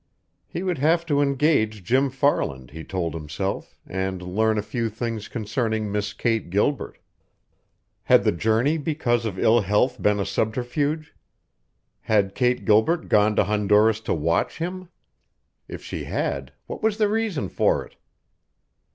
He would have to engage Jim Farland, he told himself, and learn a few things concerning Miss Kate Gilbert. Had the journey because of ill health been a subterfuge? Had Kate Gilbert gone to Honduras to watch him? If she had, what was the reason for it?